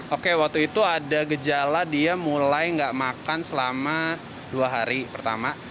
oke waktu itu ada gejala dia mulai nggak makan selama dua hari pertama